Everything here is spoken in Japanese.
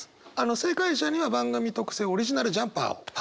正解者には番組特製オリジナルジャンパーを。